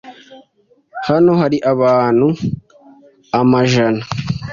Hano hari abantu amajana.